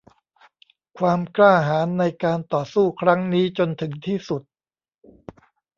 ความกล้าหาญในการต่อสู้ครั้งนี้จนถึงที่สุด